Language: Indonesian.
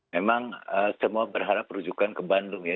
memang semua berharap rujukan ke bandung ya